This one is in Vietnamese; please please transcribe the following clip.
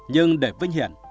nhưng để vinh hiện